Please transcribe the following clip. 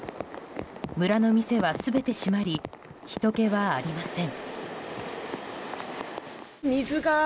村の店は全て閉まりひとけはありません。